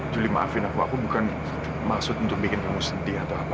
juli maafin aku aku bukan maksud untuk bikin kamu sedih atau apa